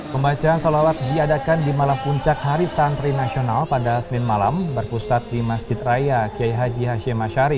pembacaan solawat diadakan di malam puncak hari santri nasional pada senin malam berpusat di masjid raya kiai haji hashim ashari